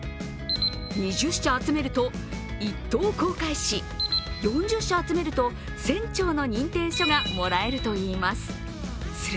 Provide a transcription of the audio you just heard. ２０社集めると一等航海士、４０社集めると船長の認定書がもらえるといいます。